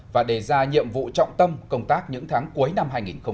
và đề ra nhiệm vụ trọng tâm công tác những tháng cuối năm hai nghìn một mươi chín